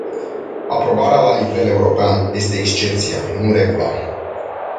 Aprobarea la nivel european este excepția, nu regula.